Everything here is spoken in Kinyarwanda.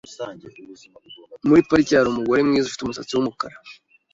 Muri parike hari umugore mwiza ufite umusatsi wumukara.